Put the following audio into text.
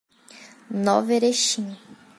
Nova Erechim